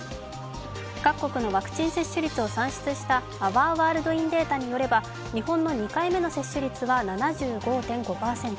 各国のワクチン接種率を算出したアワーワールドインデータによると日本の２回目の接種率は７５．５％。